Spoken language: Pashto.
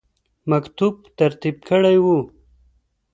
مکتوب ترتیب کړی وو.